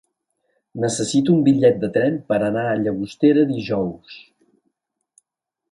Necessito un bitllet de tren per anar a Llagostera dijous.